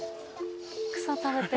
草食べてる。